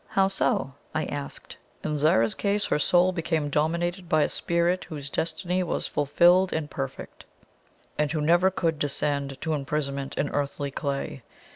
"How so?" I asked. "In Zara's case, her soul became dominated by a Spirit whose destiny was fulfilled and perfect, and who never could descend to imprisonment in earthly clay.